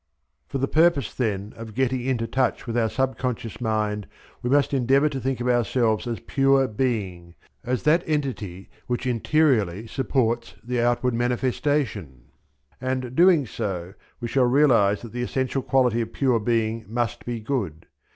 For the purpose, then, of getting into touch with our sub conscious mind we must endeavour to think of ourselves as pure being, as that entity which interiorly supports the outward manifestation, and doing so we shall realize that the essential quality of pure being must be good.